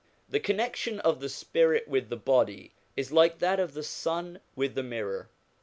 The connection of the spirit with the body is like that of the sun with the mirror.